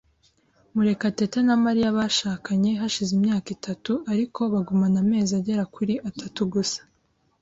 Murekatete na Mariya bashakanye hashize imyaka itatu, ariko bagumana amezi agera kuri atatu gusa.